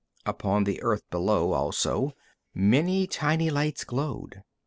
Upon the earth below, also, many tiny lights glowed.